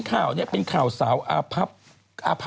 ๒คนนะค่ะ๒คนนะคะ